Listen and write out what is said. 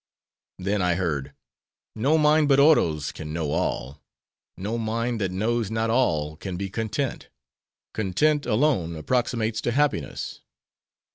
"Then I heard:—'No mind but Oro's can know all; no mind that knows not all can be content; content alone approximates to happiness.